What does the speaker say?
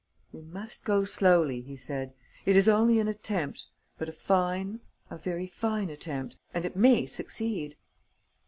"We must go slowly," he said. "It is only an attempt, but a fine, a very fine attempt; and it may succeed."